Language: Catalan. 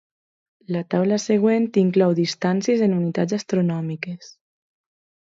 La taula següent inclou distàncies en unitats astronòmiques.